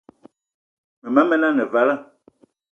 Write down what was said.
Mema men ane vala,